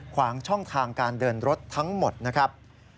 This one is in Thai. ขวางช่องทางการเดินรถทั้งหมดนะครับ